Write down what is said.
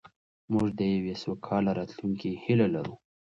موږ د یوې سوکاله راتلونکې هیله لرو.